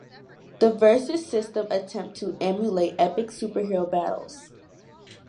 The Versus System attempts to emulate epic superhero battles.